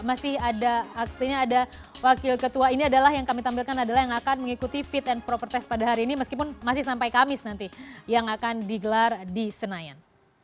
masih ada aksinya ada wakil ketua ini adalah yang kami tampilkan adalah yang akan mengikuti fit and proper test pada hari ini meskipun masih sampai kamis nanti yang akan digelar di senayan